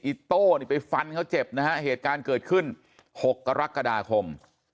โต้นี่ไปฟันเขาเจ็บนะฮะเหตุการณ์เกิดขึ้น๖กรกฎาคม